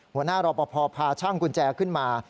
หัวหน้ารอปภพาช่างกุญแจขึ้นมา